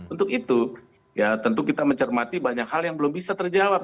untuk itu ya tentu kita mencermati banyak hal yang belum bisa terjawab